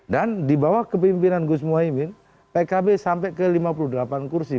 dan di bawah kepimpinan gus imin pkb sampai ke lima puluh delapan kursi